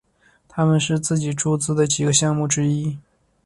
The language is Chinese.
这是他们自己注资的几个项目之一。